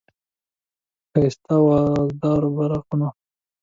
په ښایسته او وزردارو براقونو،